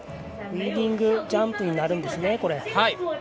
ウイニングジャンプになるんですね。